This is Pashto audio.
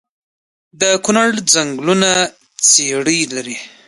د کونړ ځنګلونه څیړۍ لري؟